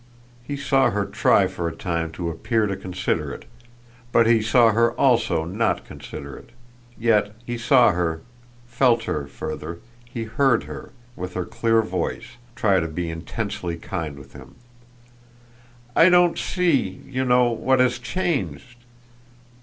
He saw her try for a time to appear to consider it; but he saw her also not consider it. Yet he saw her, felt her, further he heard her, with her clear voice try to be intensely kind with him. "I don't see, you know, what has changed."